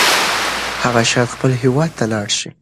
هغه شاید خپل هیواد ته لاړ شي.